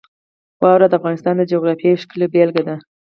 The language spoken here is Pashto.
واوره د افغانستان د جغرافیې یوه ښه بېلګه ده.